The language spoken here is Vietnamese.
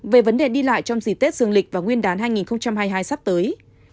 về vấn đề đi lại trong dịp tết dương lịch và nguyên đán hai nghìn hai mươi hai sắp tới